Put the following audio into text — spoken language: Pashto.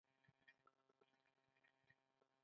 ددې فاني کور نه ګور ته کډه اوکړه،